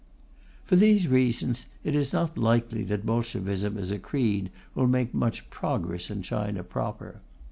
For these reasons, it is not likely that Bolshevism as a creed will make much progress in China proper.